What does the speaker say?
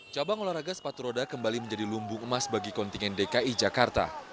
cabang olahraga sepatu roda kembali menjadi lumbung emas bagi kontingen dki jakarta